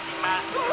うわ！